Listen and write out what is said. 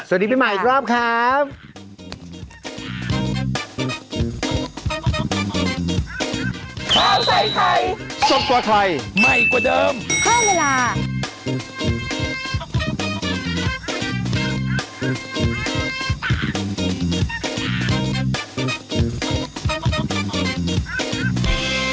สวัสดีพี่หมายอีกรอบครับ